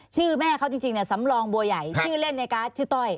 ชื่อแม่เขาจริงจริงเนี่ยสำลองบัวใหญ่ครับชื่อเล่นในการ์ดชื่อต้อย